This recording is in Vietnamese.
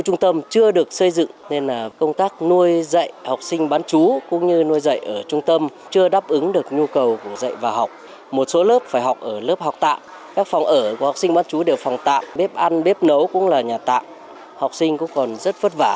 nấu cũng là nhà tạm học sinh cũng còn rất vất vả